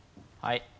はい。